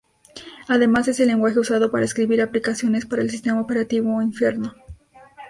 Además es el lenguaje usado para escribir aplicaciones para el sistema operativo Inferno.